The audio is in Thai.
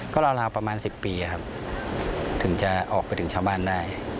ก็ราวประมาณ๑๐ปีครับถึงจะออกไปถึงชาวบ้านได้